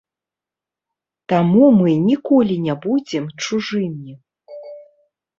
Таму мы ніколі не будзем чужымі.